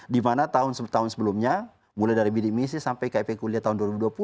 dimana tahun sebelumnya mulai dari bdmisi sampai kep kuliah tahun dua ribu dua puluh